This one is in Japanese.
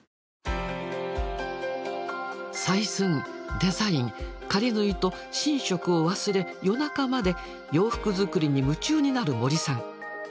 デザイン仮縫いと寝食を忘れ夜中まで洋服作りに夢中になる森さん。